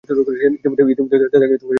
ইতোমধ্যেই তাকে সবকিছু জানানো হয়েছে।